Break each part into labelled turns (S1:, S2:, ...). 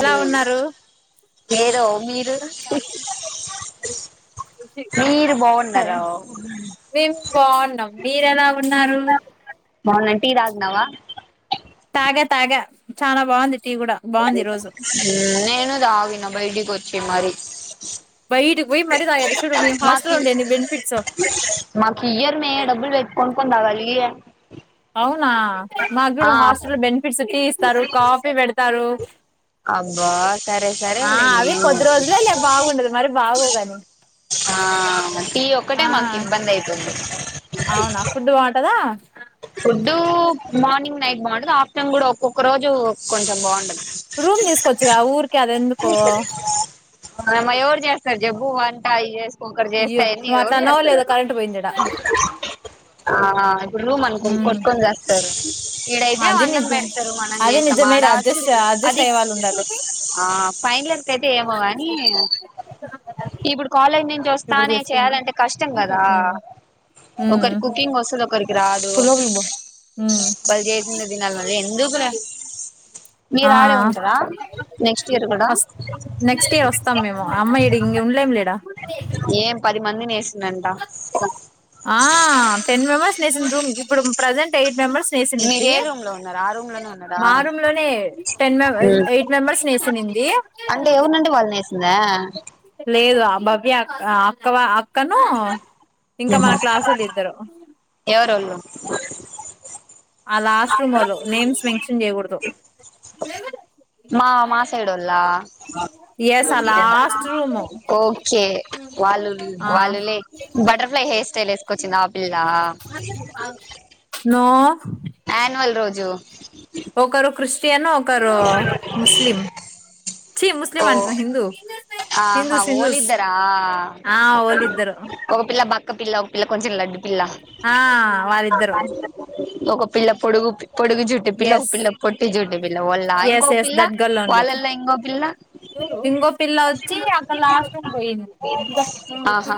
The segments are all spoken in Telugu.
S1: ఎలా ఉన్నారు
S2: ఏదో మీరు మీరు బాగున్నారా
S1: మేం బాగున్నాం మీరేలా ఉన్నారు
S2: మార్నింగ్ టీ తాగ్నవా
S1: తాగ తాగా చాలా బాగుంది టీ గుడా బాగుంది. ఈ రోజు
S2: నేను తాగిన బయటికి వచ్చి మరి
S1: బిటిక్ పోయి మరి తాగిన
S2: మాకి మాకు ఇయర్ మే డబ్బులు పెట్పు కొనుకని తాగాలి ఇఏ
S1: అవునా మాక్కూడా హాస్టల్ బెనిఫిట్స్ టీ ఇస్తారు కాఫీ పెడతారు
S2: అబ్బా సరే సరే
S1: ఆ
S2: లేండి
S1: అవి కొద్ది రోజులు లే బాగుండదు మరి బాగోగాని
S2: ఆ టీ ఒక్కటే
S1: ఆ
S2: మాక్ ఇబ్బందైతుంది.
S1: అవునా ఫుడ్ బాగుంటదా
S2: ఫుడ్డు మార్నింగ్ నైట్ బాగుండదు ఆఫ్టన్ గుడా ఒక్కొక్క రోజు కొంచం బాగుండ
S1: రూమ్ తీస్కోచ్చుగా ఊరికే అద్ ఎందుకో
S2: ఏమో ఎవర్ చేస్తార్ జెప్పు వంటై చేస్ ఒక్కరు జేస్తే
S1: అయ్యో
S2: ఏంది
S1: నువ్వు అట్లా
S2: ఎవరు
S1: అన్నావో
S2: చేస్తరు
S1: లేదో కరెంట్ పోయింది ఈడ
S2: ఆ ఆ ఇప్పుడ్ రూమ్ కొన్ కొట్టుకొన్ జస్తరు. ఈడైతే
S1: అది
S2: అన్నం
S1: నిజం
S2: పెడ్తరు మనం
S1: అది
S2: జేస్తం ఆడ
S1: నిజమేలే అడ్జస్ట్ అడ్జస్ట్
S2: అది
S1: అయ్యే వాళ్ళు ఉండాలి
S2: ఆ ఫైన్లర్కయితే ఏమో గాని ఇప్పుడ్ కాలేజ్ నుంచి
S1: ఇప్పుడు
S2: వస్తానే చే
S1: చేసుకుంటా
S2: యాలంటే కష్టం గదా
S1: ఉమ్
S2: ఒకరి కుకింగ్ వస్తది ఒకరి
S1: కులో
S2: వాళ్ళు చేసిందే తినాలి
S1: భీమ్
S2: మళ్ళీ ఎందుకులే
S1: మ్
S2: మీరు
S1: ఆ
S2: ఆడే ఉంటారా నెక్స్ట్ ఇయర్ కూడా
S1: వస్ నెక్స్ట్ ఇయర్ వస్తాం మేము అమ్మా ఈడ ఇగ్ ఉండలేం లే ఈడ
S2: ఏం పది మందిన్ ఏసిందంట.
S1: ఆ టెన్ మెంబర్స్ ఏసింది రూమ్కి ఇప్పుడు ప్రెజెంట్ ఎయిట్ మెంబర్స్
S2: మీరు
S1: ఏసినింది
S2: ఏ రూమ్ లో ఉన్నారా ఆ రూమ్ లోనే ఉన్నారా
S1: మా రూమ్లోనే టెన్ ఎయిట్ మెంబర్స్నీ ఏసినింది.
S2: అంటే ఎవరినంటే వాళ్ళని వేసిందా
S1: లేదు ఆ బవ్య ఆ అక్కవ అక్కను ఇంకా మన క్లాసోల్ ఇద్దరు
S2: ఎవరోళ్ళు
S1: ఆ లాస్ట్ రూమ్ ఓళ్ళు నేమ్స్ మెన్షన్ చేయ్యకూడదు.
S2: మా మా సైడోల్లా
S1: ఎస్ ఆ లాస్ట్ రూము
S2: ఓకే వాళ్ళు
S1: ఆ
S2: వాళ్ళులే బటర్ఫ్లై హెయిర్ స్టైల్ ఏస్కొచ్చిందాప్
S1: నో
S2: అన్వల్ రోజు
S1: చేయన్న ఒకరు ముస్లీం చి ముస్లిం
S2: ఓ
S1: అంటున్న హిందూ
S2: ఆహా
S1: హిందూస్ హిందూస్
S2: ఓలిద్దరా
S1: ఆ వోళ్ళిద్దరు
S2: ఒక పిల్ల బక్కపిల్ల, ఒక పిల్ల కొంచెం లడ్డు పిల్ల
S1: ఆ వాళ్ళిద్దరు
S2: ఒక పిల్ల పొడుగు పొడుగు జుట్టి పిల్ల, ఒక
S1: ఎస్
S2: పిల్ల పొట్టి జుట్టి పిల్ల ఒ వాళ్ళ ఇంకో
S1: ఎస్ ఎస్
S2: పిల్ల
S1: దట్
S2: వాళ్ళలో ఇంగో పిల్లా
S1: ఇంగో పిల్ల వచ్చి అక్కడ లాస్ట్ రూమ్ పోయింది
S2: ఆహా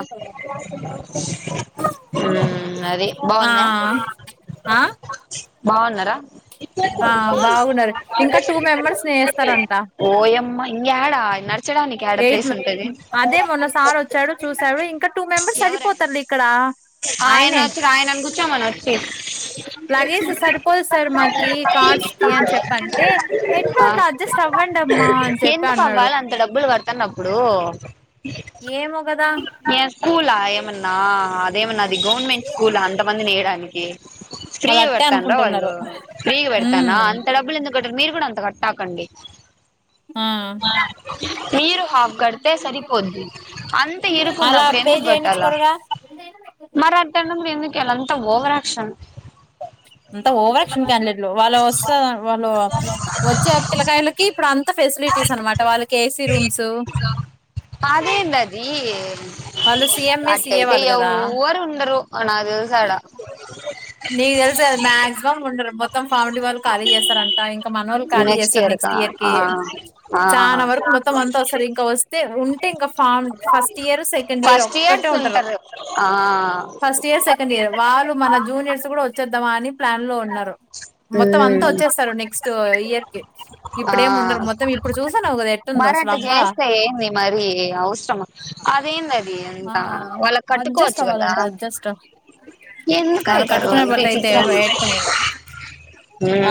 S2: ఉమ్ అది
S1: ఆ
S2: బాగుందా
S1: ఆ
S2: బాగున్నరా?
S1: ఆ బాగున్నారు ఇంకా టూ మెంబర్స్ని ఏస్తారంట.
S2: ఇంగేడ నడిచ్
S1: ఎయిట్ మె అదే మొన్న సార్ వచ్చాడు చూసాడు ఇంకా టూ మెంబర్స్
S2: ఎవరాయన
S1: సరిపోతర్లే ఇక్కడ
S2: ఆయన
S1: ఆయనే
S2: ఒచ్చి ఆయనన్ కూర్చోమన్ వచ్చి
S1: లగేజ్ సరిపోదు సార్ మాకి కార్డ్స్కి అన్ చెప్పంటే ఎట్నో
S2: ఆ
S1: అట్నా అడ్జస్ట్ అవ్వం డమ్మ అన్ చెప్పి అన్నాడు.
S2: తనప్పుడు
S1: ఏమో గదా
S2: స్కూలా ఏమన్నా అదేమన్నా అది గవర్నమెంట్ స్కూల్ అంతమంది ఏడానికి
S1: వాళ్ళు
S2: ఫ్రీగా
S1: అట్టే
S2: పెడతాన్ రా వాళ్ళు
S1: అనుకుంటున్నారు
S2: ఫ్రీగా పెడ్తారా
S1: ఉమ్
S2: అంత డబ్బులు ఎందుకు కట్టారు మీరు కూడా అంత కట్టాకండి
S1: ఆ
S2: మీరు హాఫ్ కడితే సరిపోద్ది అంత ఇరుకున్న
S1: అలా
S2: అప్పుడు
S1: పే
S2: ఎందుకు కట్టల
S1: చేయించుకోరుగా
S2: మరట్టనం ఎందుకే లంత ఓవరాక్షన్
S1: అంత ఓవరాక్షన్ కాండియేట్లు వాళ్ళవొస్త వాళ్ళు ఒచ్చే పిల్లకాయల్కి ఇప్పుడంత ఫెసిలి టీస్ అన్నమాట వాళ్ళక్ ఏసీ రూమ్స్
S2: అదేందది
S1: వాళ్ళు సిఎంఏ
S2: అట్ట
S1: సిఏ
S2: ఐతే
S1: వాళ్ళు
S2: ఎవ్
S1: కదా
S2: ఎవ్వరుండరు ఆ నాక్ తెల్సాడ
S1: నీకు దెల్సా మాక్సిమం ఉండరు మొత్తం ఫామిలీ వాళ్ళు ఖాళీ చేస్తారంట ఇంకా మనళ్ళు ఖాళీ
S2: నెక్స్ట్
S1: చేస్తారు నెస్ట్
S2: కా
S1: స్ట్ ఇయర్ కి
S2: ఆ ఆ
S1: చానా వరకు మొత్తం అంతా వొస్తరు ఇంక వొస్తే ఉంటే ఇంకా ఫామ్ first first year second year
S2: first
S1: ఒక్కటే
S2: ఇయర్స్
S1: ఉంటరు
S2: ఉంటారు ఆ
S1: ఫస్ట్ ఇయర్ సెకండ్ ఇయర్ వాళ్ళు మన జూనియర్స్ కూడా వచ్చేద్దామాని ప్లాన్ లో ఉన్నారు మొత్తం అంతా
S2: ఉమ్
S1: వొచ్చేస్తరు నెక్స్ట్ ఇయర్ కి
S2: ఆ
S1: ఇప్పుడేముండరు మొత్తం ఇప్పుడు చూస్తున్నావ్ గా కదా ఎట్టుందో
S2: మరి అట్ట
S1: అసలబ్బా
S2: చేస్తే ఏంది మరి అవసరమా అదేంది అది
S1: ఆ
S2: అంత వాళ్ళకి
S1: అడ్జస్ట్
S2: కట్టుకోవచ్చు కదా
S1: అవ్వాలంట అడ్జస్ట్
S2: ఎందుకు
S1: వాళ్ళు
S2: అయితారు
S1: కట్టుకునే
S2: అంత
S1: బట్లైతే
S2: విచిత్రంగా
S1: వేటుకుని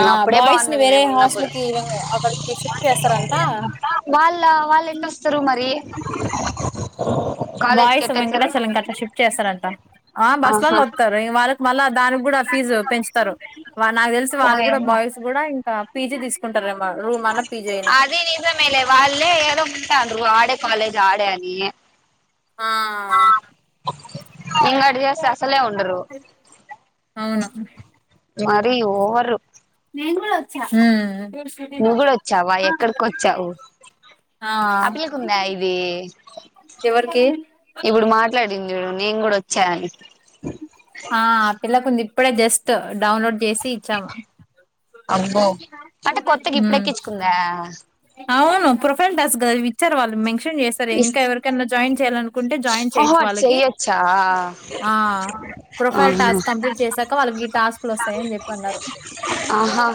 S1: ఆ
S2: అప్పుడే
S1: బాయ్స్ ని
S2: బాగున్నది
S1: వేరే
S2: మేము ఉన్నప్పుడు
S1: హాస్టల్ కి అక్కడికి షిఫ్ట్ చేస్తరంట
S2: వాళ్ళ వాళ్ళు ఎటోస్తరు మరి కాలేజ్ కి
S1: బాయిస్
S2: ఎట్టొచ్చారు
S1: వెంకటేశ్వరంకి అట్లా షిఫ్ట్ చేస్తారంట ఆ
S2: ఆహా
S1: బస్లల్లో ఒత్తరు వాళ్ళకి మళ్ళా దానికి కూడా ఫీజు పెంచుతారు నాకు దేల్సి వాళ్ళు కూడా
S2: ఓయమ్మ
S1: బాయ్స్ గూడా ఇంకా పీజీ తీసుకుంటారుమో
S2: అది నిజమేలే వాళ్ళే ఏదో అంటాండ్రు ఆడే కాలేజ్ ఆడే అని
S1: ఆ
S2: ఇంకా అట్టు చేస్తే అసలే ఉండరు
S1: ఆ
S2: మరి ఓవర్
S1: నేన్ కూడా వచ్చా
S2: నువ్వు కూడా వచ్చావా ఎక్కడికొచ్చావు ఆ పిల్లకి ఉందా ఇది
S1: ఎవరికి
S2: ఇప్పుడు మాట్లా డింది చూడు నిన్ కూడా వచ్చాను అన్ని
S1: ఆ పిల్లాకుందీ ఇప్పుడే జస్ట్ డౌన్లోడ్ చేసి ఇచ్చాము
S2: అబ్బో అంటే కొత్తగా
S1: మ్మ్
S2: ఇప్పుడెక్కించుకుందా
S1: అవును ప్రొఫైల్ టాస్గా విచ్చారు మేన్ న్షన్ చేసారు
S2: ఇస్
S1: ఇంకా ఎవరికైనా జాయిన్ చేయాలనుకుంటే జాయిన్
S2: ఓహో
S1: చేయొచ్చు
S2: అటు
S1: వాళ్ళకి
S2: చెయ్యొచ్చా
S1: ఆ ప్రొఫైల్
S2: ఆహా
S1: టాస్క్ కంప్లీట్ చేసాక వాళ్ళకి ఈ టాస్క్లు వస్తాయి అన్ని చెప్పానారు
S2: ఆహా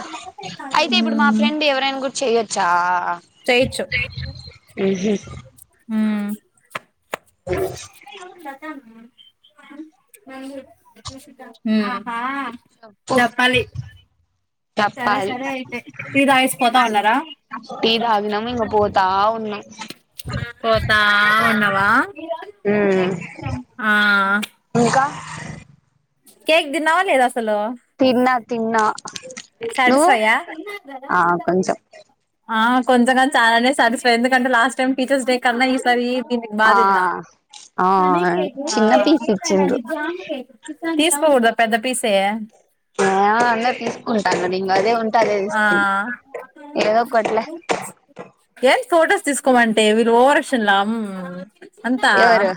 S2: అయితే ఇప్పుడు మా ఫ్రెండ్ ఎవరైనా గూడా చెయ్యొచ్చా
S1: చేయుచ్చు
S2: ఉహు
S1: హుమ్ ఉమ్
S2: చెప్పు
S1: చెప్పాలి
S2: చెప్పాలి
S1: టీ తాగేసి పోతా ఉన్నారా
S2: టీ తగ్గినం ఇంగ పోతా ఉన్నం
S1: పోతా ఉన్నవా
S2: ఉమ్
S1: ఆ
S2: క్కా
S1: కేక్ తిన్నావా లేదా అస్సలు
S2: తిన్నా తిన్నా నువ్వు
S1: సాటిస్ఫైయా
S2: ఆ కొంచెం
S1: ఆ కొంచం కొంచం అలానే సాటిస్ఫా ఎందుకంటే లాస్ట్ టైమ్ టీచర్స్ డే కన్నా ఈసారి దీనికి బా
S2: ఆ
S1: తిన్న
S2: ఆ
S1: ఆ
S2: చిన్న పీస్ ఇచ్చిండ్రు
S1: తీసుకోకోడా పెద్ద పీసే
S2: ఆ అన్న తీస్ కుంటాను ఇంగ అదే ఉంటే అదే
S1: ఆ
S2: తీసుకున్న ఏదో ఒకట్లే
S1: ఫోటోస్ తీస్కోమంటే వీళ్ళ ఓవర్షన్లా అమ్
S2: ఎవరు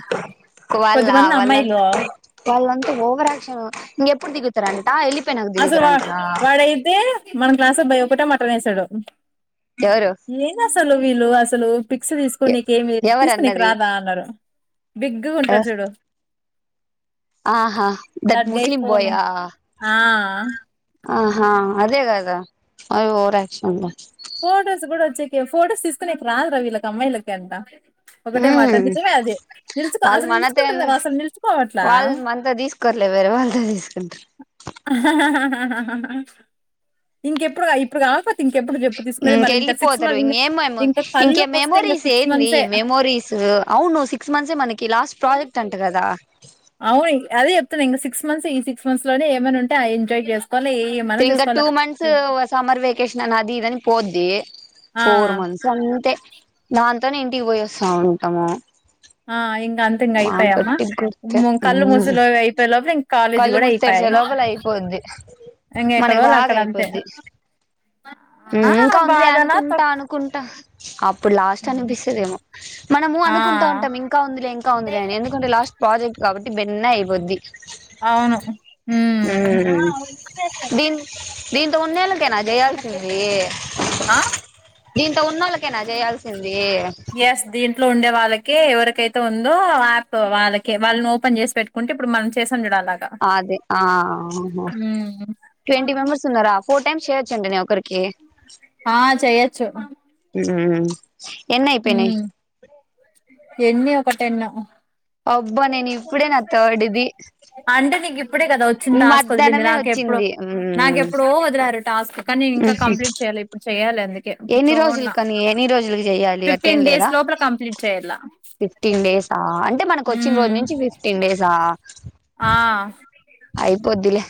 S2: వాళ్ళ
S1: అమ్మాయిలు
S2: వాలాంతా వాళ్ళంతా వోవర్యాక్షన్ ఇంకెప్పుడు దిగు
S1: అస్సలు వా వాడైతే మన క్లాస్ అబ్బాయి ఒక్కటే మాటనేస్సడూ
S2: ఎవరు
S1: ఏది అస్సలు వీలు అస్సలు పిక్స్ తీస్కోనీకేమై తీస్కోనీకీ
S2: ఎవరన్నది
S1: రాదా అన్నరూ బిగ్గుగుంటది చూడు
S2: ఆహా that
S1: guy
S2: Muslim boy
S1: phone
S2: ఆ
S1: ఆ
S2: ఆహా అదేగదా అవి ఓవరాక్షన్ ద
S1: ఫొటోస్ కూడా వచ్చేకి ఫొటోస్ తీస్కోనేకి రాదు రా వీళ్ళకి అమ్మాయిలకి ఒకటే మాట
S2: ఉమ్
S1: నిజమే అది నిల్చుకో
S2: వాళ్ళు
S1: అస్సలు
S2: మనతో
S1: నిల్చుకుంటరూ గదా
S2: ఎందుకు
S1: అస్సలు నిల్చుకోవట్లా
S2: లెవరు వారేవాలతో తీస్కుంట్రూ
S1: హ హహహహహహహా ఇంకెప్పుడా ఇప్పుడు కాక్పో ఇంకెప్పుడు చెప్పు తీస్కునేది మళ్ళీ ఇంకా సిక్స్
S2: ఇంకెళ్ళిపోతారు
S1: మంత్స్ ఇం
S2: ఇంకేం మెమో
S1: ఇంకా కళ్ళు
S2: ఇంకే
S1: మూస్తే ఇంకా సిక్స్ మంత్సే
S2: ర్ అవును సిక్స్ మంత్సే మనకి లాస్ట్ ప్రాజెక్ట్ అంట కదా
S1: ఆవును అదే చెప్తుకన్నింకా సిక్స్ మంత్స్ ఈ సిక్స్ మంత్స్ లోనే ఏమైనుంటే ఆ ఎంజాయ్ చేస్తూ
S2: తింగా టూ మంత్స్ సమ్మర్ వేకేషన్ అన్ని ఆది ఇది పోద్ది
S1: ఆ
S2: ఫోర్ మంత్స్ అంతే దాంతోనే ఇంటికి పోయివాస్తావుంటాము
S1: ఆ ఇం ఇంకంతే ఇంకైపాయమ్మా
S2: గుర్తే
S1: కళ్ళు ముసేలోగ అయిపోయేలోప్లే ఇంకాలేజీ కూడైపాయే
S2: ద్దీ మనకి బాగా అయ్యిపోది
S1: ఆ
S2: హ్మ్ ఇంకా వుందిలే
S1: బాధనా
S2: అనుకుంట
S1: తొక్
S2: అనుకంట అప్పుడు లాస్ట్ అనిపిస్తదేమో మనము
S1: ఆ
S2: అనుకుంటా ఉంటాం ఇంకా ఉందిలే ఇంకా ఉందిలే అని ఎందుకంటే లో స్ట్ ప్రాజెక్ట్ కాబట్టి బిన్నే అయిపోద్ది
S1: అవును ఉమ్
S2: మ్మ్ దీన్ దీంతో ఉన్నేళ్లకేనా జేయాల్సిందీ
S1: ఆ
S2: దీం
S1: ఎస్ దీంట్లో ఉండేవాళ్ళ క్కే ఎవరికైతే ఉందో యాప్ వాళ్ళకే వాల్నోపెన్ చేసి పెట్టుకుంటే ఇప్పుడు మనం చే
S2: అదే ఆ హ
S1: ఉమ్
S2: ట్వంటీ మెంబెర్స్ ఉన్నారా ఫోర్ టైమ్స్ చెయ్యొచండి నేన్ ఒకరికి
S1: ఆ చెయ్యొచ్చు
S2: ఉహు
S1: హ్మ్ ఎన్ని ఒక టెన్
S2: అబ్బా నేనిప్పుడే నా థర్డ్ది ఇది
S1: అంటే నీకు ఇప్పుడే కదా వచ్చింటాస్క్ వదిలింది
S2: మధ్యాహ్నమే
S1: నాకెప్పుడో
S2: వచ్చింది
S1: నాకెప్పుడో వదిలారు టాస్క్ కానీ నేనింకా
S2: మ్మ్
S1: కంప్లీట్ చేయాలే ఇప్పుడు చెయ్యోలే అందుకే
S2: ఎన్ని రోజులు
S1: కూచ్చోన్న
S2: కని ఎన్ని రోజులకి చెయ్యాలి అట్టేం
S1: ఫిఫ్టీన్ డేస్
S2: లేదా
S1: లోపల కంప్లీట్ చేయాల
S2: ఫిఫ్టీన్ డేసా అంటే మనకొచ్చిం రోజు
S1: ఉమ్
S2: నుంచి ఫిఫ్టీన్ డేసా
S1: ఆ
S2: వద్దులే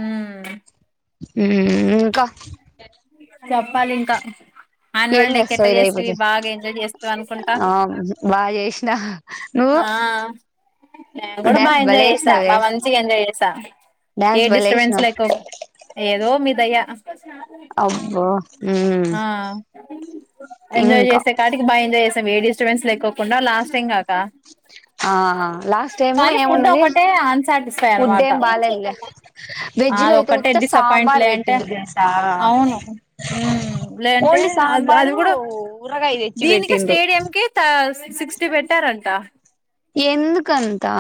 S1: హ్మ్
S2: మ్మ్ ఇంకా
S1: చెప్పాలింకా
S2: ఏం
S1: అన్నుయల్ డే కి ఏటా
S2: చేస్తావు ఇది
S1: చేస్తివి
S2: అయిపోతే
S1: బాగా ఎంజాయ్ చేస్తివన్కుంట
S2: ఆ బాగా చేసినా నువ్వు
S1: హా నేను కూడా బాగా
S2: డ్యాన్స్
S1: ఎంజాయ్
S2: భలే
S1: చేసా
S2: ఏసినవే
S1: బాగా మంచిగా ఎంజాయ్ చేసా ఏ
S2: డ్యాన్స్ భలే
S1: డిస్టబన్స్
S2: ఏసినావ్
S1: లేకో ఏదో మీ దయా
S2: అబ్బో ఉమ్
S1: ఎంజాయ్
S2: ఇంకా
S1: జేసేకాటికి బా ఎంజాయ్ చేసాం ఏ డిస్టబెన్స్ లేకో కుండా లాస్టా టైం గాకా
S2: ఆ లాస్ట్ టైము
S1: కానీ ఫుడ్
S2: ఏమున్నది
S1: ఒకటే అన్ సాటిస్.
S2: ఫుడ్
S1: సరేనమాట
S2: ఏం బాలేదులే వెజ్ లో అయితే
S1: అదొకటే
S2: ఉత్త సాంబార్
S1: డిస్సపాయింట్లే అంటే.
S2: పెట్టింది తెలుసా
S1: అవును హ్మ్ లేదంటే
S2: ఓన్లీ
S1: అది అది
S2: సాంబారు
S1: కూడా.
S2: ఊరగాయ తెచ్చి
S1: దీనికే
S2: పెట్టిండ్రు
S1: స్టేడియంకే తా సిక్స్టీ పెట్టారంట.
S2: ఎందుకంతా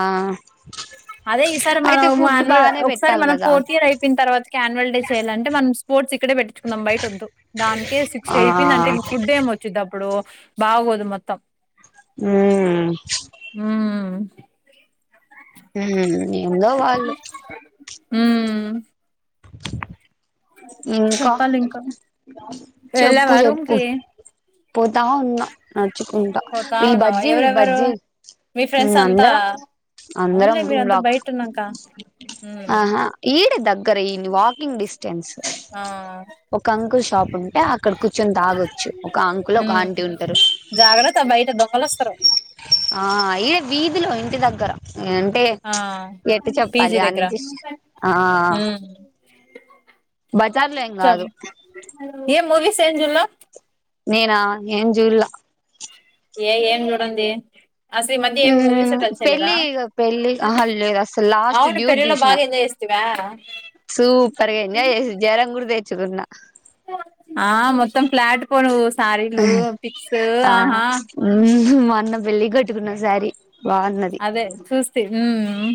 S1: అదే ఈసారి మనం ఆన్యువల్
S2: బానే
S1: ఒక్కసారి
S2: పెట్టాలి
S1: మనం
S2: కదా
S1: ఫోర్తియర్ అయిపోయిన తర్వాతకి యాన్యుల్ డ చేయాలంటే మనం స్ స్పోర్ట్స్ ఇక్కడేట్టిచ్కుందాం బయట వద్దు దాకే
S2: ఆ
S1: సిక్స్టు అయ్యిపోదీ ఇంక ఫుడేమోచ్చింది అప్పుడు బాగోదు మొత్తం
S2: ఆహ్ ప్చ్.
S1: ఉమ్
S2: ఉమ్ ఎందో వాళ్ళు.
S1: ఉమ్.
S2: ఆహ్ ఇంకా చెప్పు
S1: వెళ్ళావా రూమ్
S2: జెప్పు.
S1: కి
S2: పోతా ఉన్నా నడ్చుకుంటా
S1: పోతా
S2: ఈ
S1: ఉన్నావా
S2: బజ్జీల్
S1: ఎవరెవరు
S2: బజ్జీలు.
S1: మీ ఫ్రెండ్సంతా.
S2: అందరం అందరం రూమ్ లాక్.
S1: ఉమ్
S2: అంటే దగ్గర ఇన్ వాకింగ్ డిస్టెన్స్.
S1: ఆ
S2: ఒక అంకుల్ షాపుంటే అక్కడ కూర్చొని తాగొచ్చు ఒక అంకుల్ ఒక
S1: ఉమ్
S2: ఆంటుంటారు.
S1: జాగ్రత్త బయట దొంగలోస్తారు.
S2: ఆహ్ ఈడ వీధిలో ఇంటి దగ్గర. ఏ అంటే
S1: ఆ
S2: ప్చ్ ఎట్
S1: పీజీ
S2: చెప్పాలి
S1: దగ్గర
S2: అనించి ఆహ్.
S1: ఉమ్
S2: బజార్లేం కాదు.
S1: సేంజునా.
S2: నేనా ఏంజూలే.
S1: ఏ ఏం జూడంది. అసలు ఈ మధ్య ఏం మూవీసే
S2: మ్మ్
S1: టచ్ చేయలేదా
S2: పెళ్ళి ఇగ పెళ్ళి ఆహా లేదు అసలు లాస్ట్
S1: అవును తెలుగులో బాగా ఎంజాయ్ చేస్తివి. తిన్నారా.
S2: సూపర్గా ఎంజాయ్ జేసి జ్వరం గూడా దేచ్చుకున్నా.
S1: ఆహ్ మొత్తం ఫ్లాట్ పోను శారీలు ఫిక్సూలు
S2: ఆ
S1: ఆహా.
S2: అన్న పెళ్లికిగట్టుకున్న సారి. బాగుంన్నది.
S1: అదే చూస్తి ఉమ్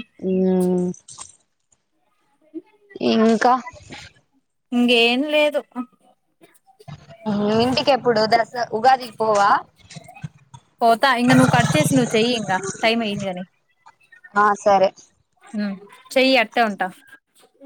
S1: ఇంకేం లేదు.
S2: ఇంటికేప్పుడు దసర ఉగాదికి పోవా.
S1: పోతా ఇంకా నువ్వు కట్ చేసి నువ్వు చెయ్యింగా టైం అయ్యింది కాని.
S2: ఆహ్ సరే.
S1: చెయ్యి అట్టే ఉంటా